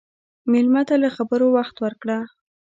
مېلمه ته له خبرو وخت ورکړه.